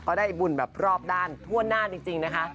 ได้บุญแบบรอบด้านทั่วหน้าจริงนะคะ